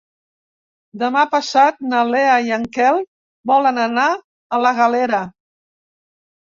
Demà passat na Lea i en Quel volen anar a la Galera.